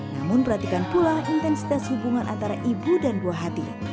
namun perhatikan pula intensitas hubungan antara ibu dan buah hati